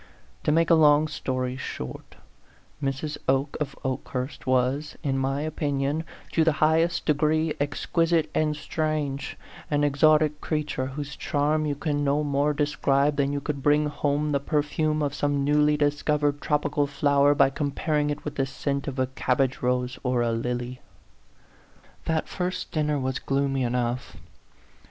To make a long story short, Mrs. Oke of Okehurst was, in my opinion, to the high est degree exquisite and strange an exotic creature, whose charm you can no more de scribe than you could bring home the per fume of some newly discovered tropical flower by comparing it with the scent of a cabbage rose or a lily. That first dinner was gloomy enough.